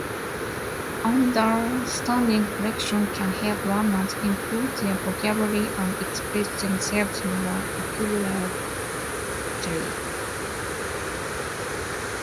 Understanding collocations can help learners improve their vocabulary and express themselves more accurately.